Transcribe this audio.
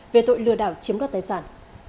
về tội lừa đảo chiếm đoạt tài sản